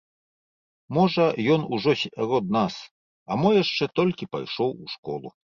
Можа, ён ужо сярод нас, а мо яшчэ толькі пайшоў у школу.